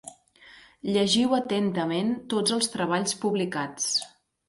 Llegiu atentament tots els treballs publicats.